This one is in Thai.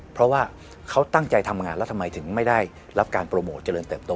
เพราะว่าเขาตั้งใจทำงานแล้วทำไมถึงไม่ได้รับการโปรโมทเจริญเติบโต